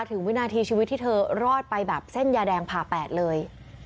วินาทีชีวิตที่เธอรอดไปแบบเส้นยาแดงผ่าแปดเลย